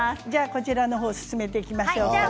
こちらの方を進めていきましょう。